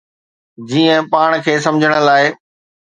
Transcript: جيئن پاڻ کي سمجھڻ لاء.